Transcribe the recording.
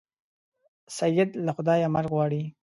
سید له خدایه مرګ غواړي.